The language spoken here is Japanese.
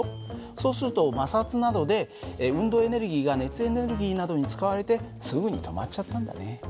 そうすると摩擦などで運動エネルギーが熱エネルギーなどに使われてすぐに止まっちゃったんだね。